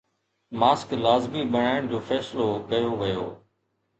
mask لازمي بڻائڻ جو فيصلو ڪيو ويو